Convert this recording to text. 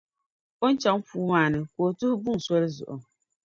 O ni chani puu maa ni, ka o tuhi buŋa soli zuɣu.